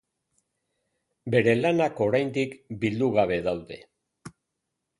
Bere lanak oraindik bildu gabe daude.